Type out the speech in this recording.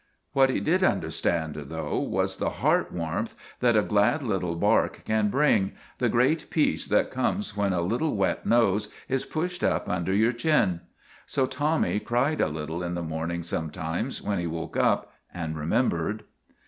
What he did understand, though, was the heart warmth that a glad little bark can bring, the great peace that comes when a little wet nose is pushed up under your chin. So Tommy cried a little in the morning sometimes when he woke up and remembered.